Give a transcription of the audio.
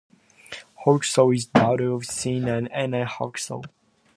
Hawkshaw is the daughter of Sean and Anne Hawkshaw.